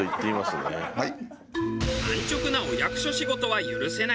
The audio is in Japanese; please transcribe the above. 安直なお役所仕事は許せない。